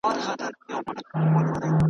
او منظمې پروپاګند له لارې هڅه کیږي